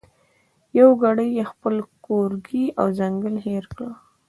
یو ګړی یې خپل کورګی او ځنګل هېر کړ